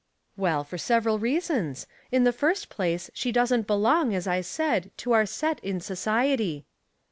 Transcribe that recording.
" Well, for several reasons. In the first place, she doesn't belong, as I said, to our set in so ciety."